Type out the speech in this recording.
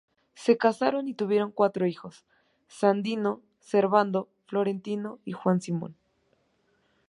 Se casaron y tuvieron cuatro hijos: Sandino, Servando, Florentino y Juan Simón.